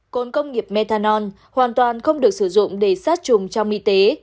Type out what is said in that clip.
côn công nghiệp methanol hoàn toàn không được sử dụng để sát trùng trong y tế